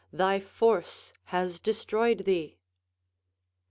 thy force has destroyed thee."